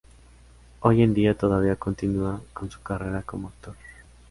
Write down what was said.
Hoy en día todavía continua con su carrera como actor.